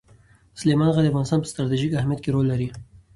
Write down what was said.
سلیمان غر د افغانستان په ستراتیژیک اهمیت کې رول لري.